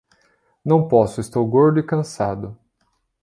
Não posso, estou gordo e cansado